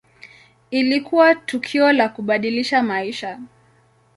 Ilikuwa tukio la kubadilisha maisha.